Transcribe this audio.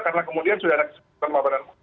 karena kemudian sudah ada kesan waran bom